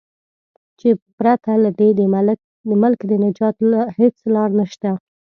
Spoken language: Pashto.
چې پرته له دې د ملک د نجات هیڅ لار نشته.